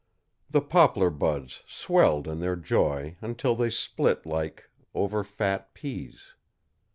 The poplar buds swelled in their joy until they split like over fat peas.